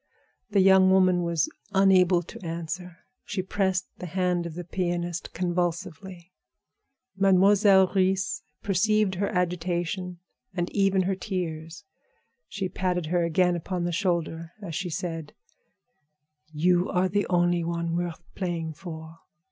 The young woman was unable to answer; she pressed the hand of the pianist convulsively. Mademoiselle Reisz perceived her agitation and even her tears. She patted her again upon the shoulder as she said: "You are the only one worth playing for.